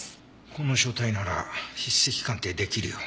この書体なら筆跡鑑定出来るよ。